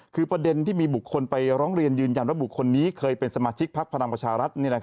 คือประเด็นที่มีบุคคลไปร้องเรียนยืนยันว่าบุคคลนี้เคยเป็นสมาชิกพักพลังประชารัฐ